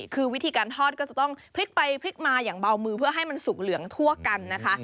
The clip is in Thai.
คือวิธีการทอดก็จะต้องพลิกไปพลิกมาอย่างเบามือเพื่อให้มันสุกเหลืองทั่วกันนะคะ